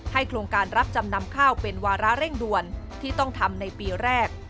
โครงการรับจำนำข้าวเป็นวาระเร่งด่วนที่ต้องทำในปีแรก